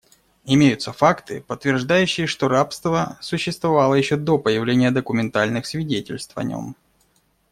Имеются факты, подтверждающие, что рабство существовало еще до появления документальных свидетельств о нем.